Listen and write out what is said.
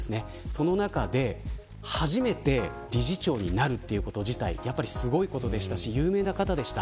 その中で初めて理事長になるということ自体すごいことでしたし有名な方でした。